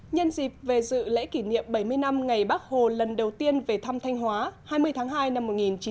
nhân dịp về dự lễ kỷ niệm bảy mươi năm ngày bắc hồ lần đầu tiên về thăm thanh hóa hai mươi tháng hai năm một nghìn chín trăm bảy mươi